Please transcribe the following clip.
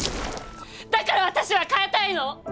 だから私は変えたいの！